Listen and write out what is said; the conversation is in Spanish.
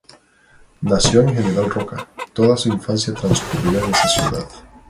Nació en General Roca, toda su infancia transcurrió en esta ciudad.